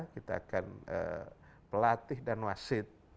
kita akan pelatih dan wasit